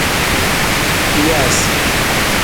Biyaasi.